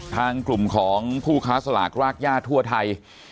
ทางกลุ่มของผู้ค้าสลากรากย่าทั่วไทย